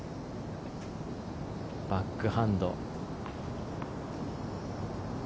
バックハンド。